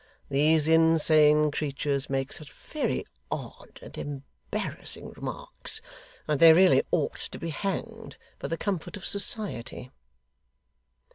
These insane creatures make such very odd and embarrassing remarks, that they really ought to be hanged for the comfort of society.